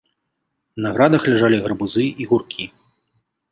На градах ляжалі гарбузы і гуркі.